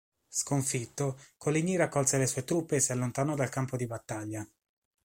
Sconfitto, Coligny raccolse le sue truppe e si allontanò dal campo di battaglia.